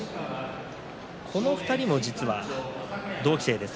この２人も実は同期生です。